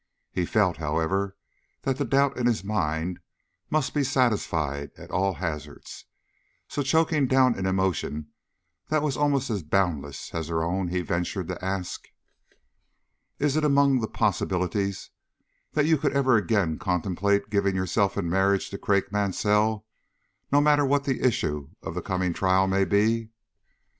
He felt, however, that the doubt in his mind must be satisfied at all hazards; so choking down an emotion that was almost as boundless as her own, he ventured to ask: "Is it among the possibilities that you could ever again contemplate giving yourself in marriage to Craik Mansell, no matter what the issue of the coming trial may be?"